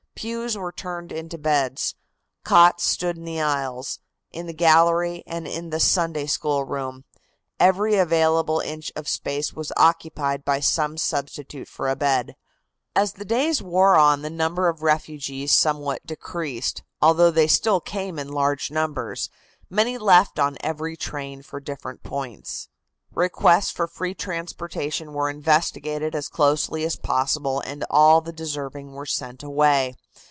Pews were turned into beds. Cots stood in the aisles, in the gallery and in the Sunday school room. Every available inch of space was occupied by some substitute for a bed. As the days wore on the number of refugees somewhat decreased. Although they still came in large numbers, many left on every train for different points. Requests for free transportation were investigated as closely as possible and all the deserving were sent away.